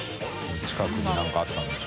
瓩何かあったんでしょ。